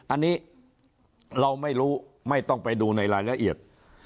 อันนี้เราไม่รู้ไม่ต้องไปดูในรายละเอียด